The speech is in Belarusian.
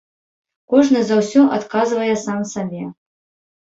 Кожны за ўсё адказвае сам сабе.